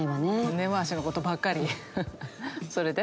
根回しのことばっかりそれで？